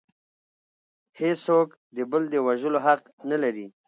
هیڅوک د بل د وژلو حق نلري